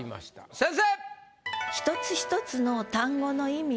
先生！